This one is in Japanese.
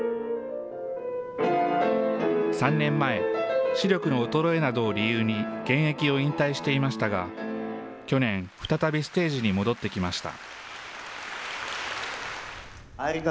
３年前、視力の衰えなどを理由に現役を引退していましたが、去年、再びステージに戻ってきました。